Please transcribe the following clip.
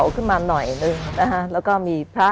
คุณซูซี่